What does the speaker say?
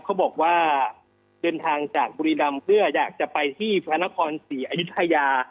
เขาบอกว่าเดินทางจากบุรีรัมพ์เพื่ออยากจะไปที่ภาค๔อายุทยา